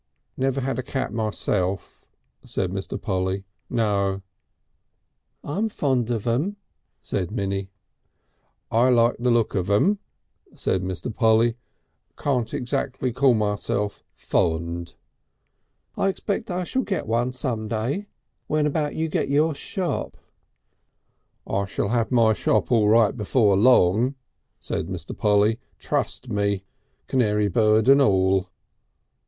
"Never had a cat myself," said Mr. Polly. "No!" "I'm fond of them," said Minnie. "I like the look of them," said Mr. Polly. "Can't exactly call myself fond." "I expect I shall get one some day. When about you get your shop." "I shall have my shop all right before long," said Mr. Polly. "Trust me. Canary bird and all."